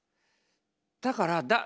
だから